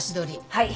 はい。